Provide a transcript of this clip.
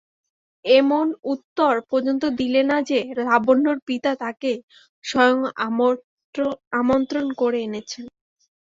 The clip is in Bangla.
এমন উত্তর পর্যন্ত দিলে না যে, লাবণ্যর পিতা তাকে স্বয়ং আমন্ত্রণ করে এনেছেন।